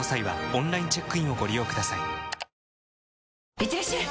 いってらっしゃい！